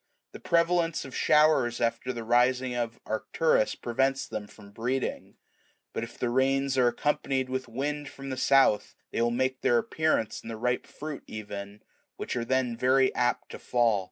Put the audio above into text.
The prevalence of showers after the rising of Arcturus4 prevents them from breeding ; but if the rains are accompanied with wind from the south, they will make their appearance in the ripe fruit even, which are then very apt to fall.